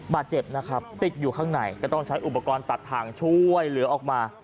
บาดเจ็บนะครับติดอยู่ข้างในก็ต้องใช้อุปกรณ์ตัดทางช่วยเหลือออกมา